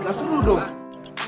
gak seru dong